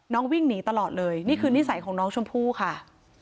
วิ่งหนีตลอดเลยนี่คือนิสัยของน้องชมพู่ค่ะ